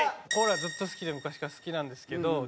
コーラずっと好きで昔から好きなんですけど。